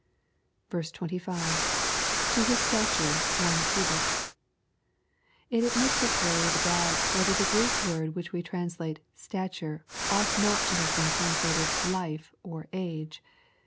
6.) 25. — [7b his stature, one cubit] It admits of grave doubt whether the Ureek word which we translate " stature," ought not to have been translated " life," or " age."